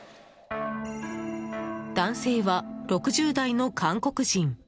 男性は６０代の韓国人。